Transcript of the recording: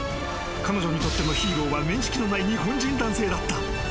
彼女にとってのヒーローは面識のない日本人男性だった。